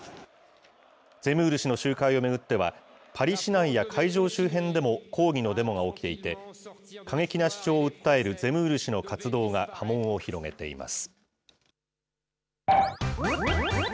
ゼムール氏の集会を巡っては、パリ市内や会場周辺でも抗議のデモが起きていて、過激な主張を訴えるゼムール氏の活動が波紋を広げています。